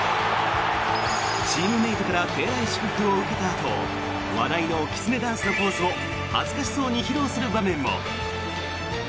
チームメートから手荒い祝福を受けたあと話題のキツネダンスのポーズを恥ずかしそうに披露する場面も。